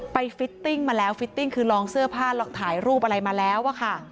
ฟิตติ้งมาแล้วฟิตติ้งคือลองเสื้อผ้าถ่ายรูปอะไรมาแล้วอะค่ะ